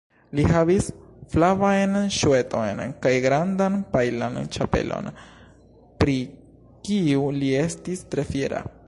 Li havis flavajn ŝuetojn kaj grandan pajlan ĉapelon, pri kiu li estis tre fiera.